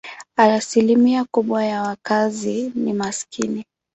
Asilimia kubwa ya wakazi ni maskini.